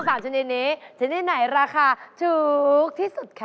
ทั้ง๓ชนิดนี้ชนิดนี้ไหนราคาถูกที่สุดคะ